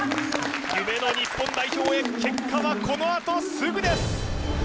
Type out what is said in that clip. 夢の日本代表へ結果はこのあとすぐです